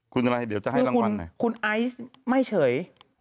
คุณอะไรเดี๋ยวจะให้รางวัลหน่อย